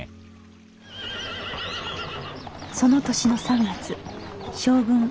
その年の３月将軍